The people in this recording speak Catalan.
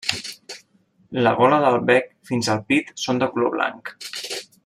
La gola del bec fins al pit són de color blanc.